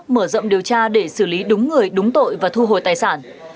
mở rộng điều tra để xử lý đúng người đúng tội và thu hồi tài sản